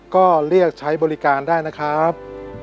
ก็เรียกใช้บริการได้นะครับ